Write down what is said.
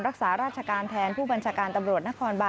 รักษาราชการแทนผู้บัญชาการตำรวจนครบาน